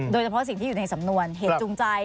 โดยเฉพาะสิ่งที่อยู่ในสำนวนเหตุจูงใจ